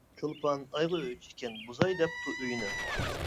چولپان ئايغا ئۆچ ئىكەن، بۇزاي دەپتۇ ئۆيىنى.